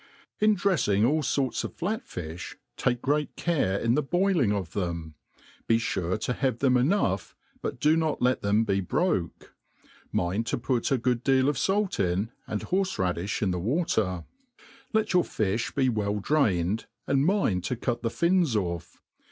IN dreffing all forts of flat fifb, take great care in the boiling of them ; be fure to have them enough, but do not \tt. them bo Woke; mind to put a good deai of fait in, and horfc raddifli in the water, let yourfiQi be well drained, and mind to cut the fins off.